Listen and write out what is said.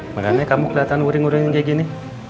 makanya kamu keliatan uring uringan kayak gini